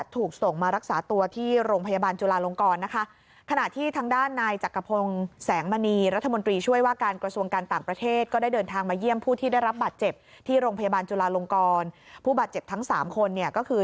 ทรงพระกรุณาโปรดกระหม่อมให้ผู้ที่ได้รับบาดเจ็บที่โรงพยาบาลจุลาลงกรผู้บาดเจ็บทั้ง๓คนเนี่ยก็คือ